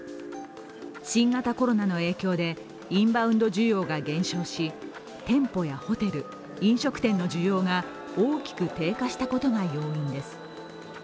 新型コロナの影響でインバウンド需要が減少し店舗やホテル、飲食店の需要が大きく低下したことが要因です。